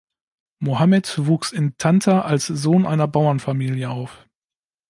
Mohammed wuchs in Tanta als Sohn einer Bauernfamilie auf.